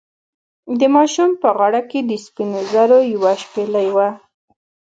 د ماشوم په غاړه کې د سپینو زرو یوه شپیلۍ وه.